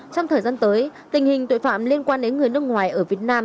trong thời gian tới tình hình tội phạm liên quan đến người nước ngoài ở việt nam